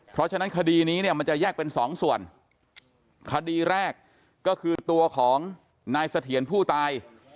เพราะฉะนั้นคดีนี้เนี่ยมันจะแยกเป็นสองส่วนคดีแรกก็คือตัวของนายเสถียรผู้ตาย